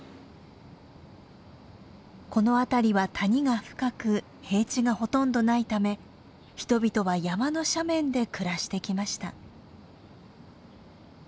この辺りは谷が深く平地がほとんどないため人々は山の斜面で暮らしてきました。